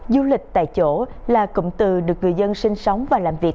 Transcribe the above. du lịch tại chỗ là cụm từ được người dân sinh sống và làm việc